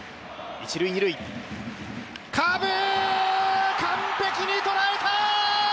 一・二塁カーブ、完璧に捉えた！